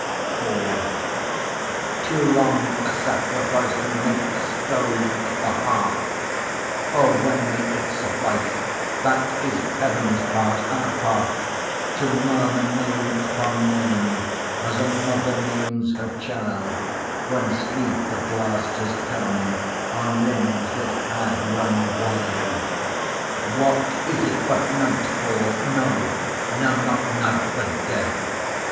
IVToo long a sacrifice Can make a stone of the heart. O when may it suffice? That is heaven's part, our part To murmur name upon name, As a mother names her child When sleep at last has come On limbs that had run wild. What is it but nightfall? No, no, not night but death.